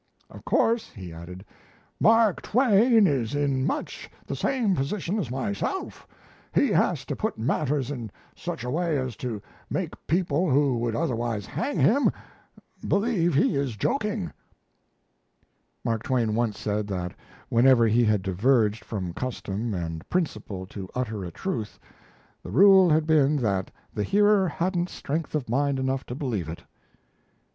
"Of course," he added, "Mark Twain is in much the same position as myself: he has to put matters in such a way as to make people who would otherwise hang him, believe he is joking." Mark Twain once said that whenever he had diverged from custom and principle to utter a truth, the rule had been that the hearer hadn't strength of mind enough to believe it.